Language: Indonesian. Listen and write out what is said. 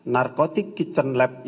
narkotik kitchen lab yang